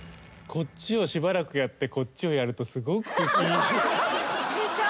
こっちをしばらくやってこっちをやるとすごくいい。でしょ？